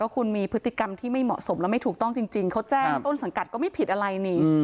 คุณมีพฤติกรรมที่ไม่เหมาะสมแล้วไม่ถูกต้องจริงเขาแจ้งต้นสังกัดก็ไม่ผิดอะไรนี่